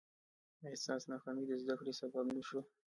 ایا ستاسو ناکامي د زده کړې سبب نه شوه؟